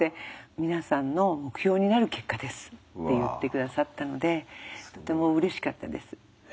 「皆さんの目標になる結果です」って言って下さったのでとてもうれしかったです。